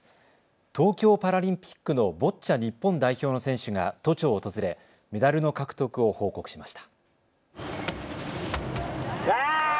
東京パラリンピックのボッチャ日本代表の選手が都庁を訪れメダルの獲得を報告しました。